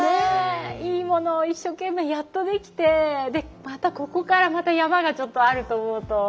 いいものを一生懸命やっとできてまたここから山がちょっとあると思うと。